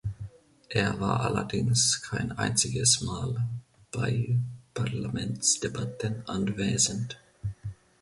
Er war allerdings kein einziges Mal bei Parlamentsdebatten anwesend.